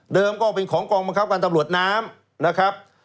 เดิมก็เป็นของกองบังคับการตำรวจน้ำ